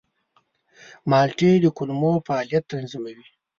مالټې د کولمو فعالیت تنظیموي.